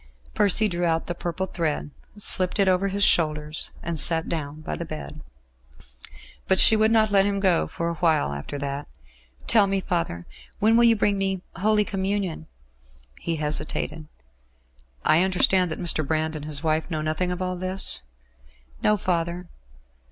Percy drew out the purple thread, slipped it over his shoulders, and sat down by the bed. But she would not let him go for a while after that. "Tell me, father. When will you bring me Holy Communion?" He hesitated. "I understand that Mr. Brand and his wife know nothing of all this?" "No, father."